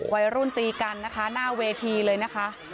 วัยรุ่นตีกันนะคะหน้าเวทีเลยนะคะ